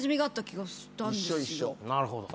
なるほど。